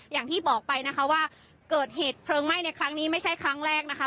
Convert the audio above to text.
อย่างที่บอกไปนะคะว่าเกิดเหตุเพลิงไหม้ในครั้งนี้ไม่ใช่ครั้งแรกนะคะ